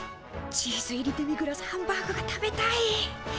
チーズ入りデミグラスハンバーグが食べたい！